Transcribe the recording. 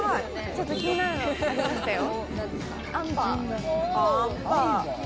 ちょっと気になるのありましたよ